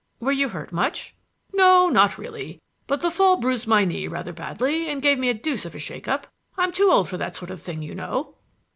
"Were you hurt much?" "No, not really; but the fall bruised my knee rather badly and gave me a deuce of a shake up. I'm too old for that sort of thing, you know."